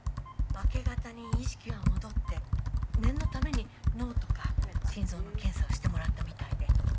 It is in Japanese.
明け方に意識は戻って念のために脳とか心臓の検査をしてもらったみたいで。